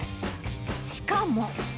しかも。